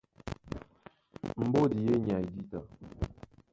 Mbódi í e nyay jǐta.